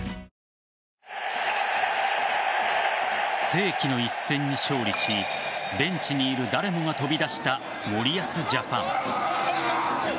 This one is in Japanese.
世紀の一戦に勝利しベンチにいる誰もが飛び出した森保ジャパン。